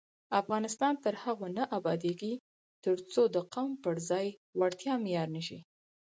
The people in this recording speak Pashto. افغانستان تر هغو نه ابادیږي، ترڅو د قوم پر ځای وړتیا معیار نشي.